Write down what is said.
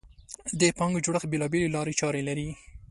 د پانګې جوړښت بېلابېلې لارې چارې لري.